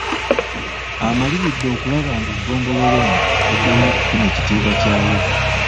Amaliridde okulaba ng'eggombolola eno eddamu okufuna ekitiibwa kyayo.